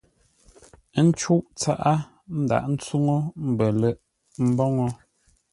Ə́ ncûʼ tsaʼá ńdaghʼ ńtsuŋu mbələ̂ghʼ mboŋə́.